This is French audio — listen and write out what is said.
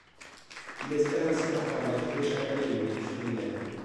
Il espère ainsi leur permettre d'échapper à une vie criminelle.